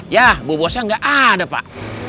ya bu bosnya gak ada pak